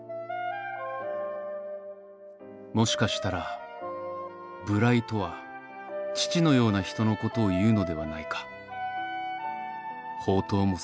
「もしかしたら無頼とは父のような人のことを言うのではないか」。